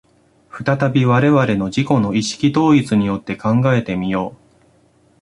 再び我々の自己の意識統一によって考えて見よう。